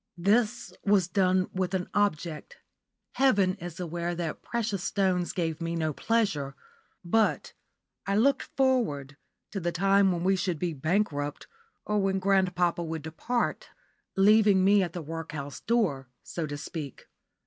This was done with an object. Heaven is aware that precious stones gave me no pleasure, but I looked forward to the time when we should be bankrupt, or when grandpapa would depart, leaving me at the workhouse door, so to speak.